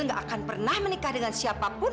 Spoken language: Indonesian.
gak akan pernah menikah dengan siapapun